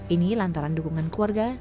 ini lantaran dukungan keluarga